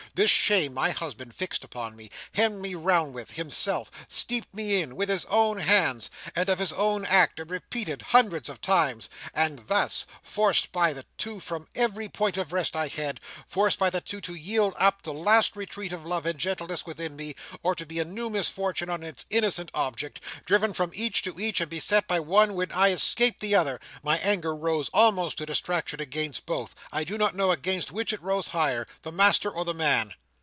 This shame my husband fixed upon me; hemmed me round with, himself; steeped me in, with his own hands, and of his own act, repeated hundreds of times. And thus—forced by the two from every point of rest I had—forced by the two to yield up the last retreat of love and gentleness within me, or to be a new misfortune on its innocent object—driven from each to each, and beset by one when I escaped the other—my anger rose almost to distraction against both. I do not know against which it rose higher—the master or the man!"